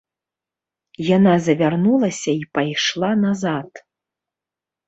Яна завярнулася і пайшла назад.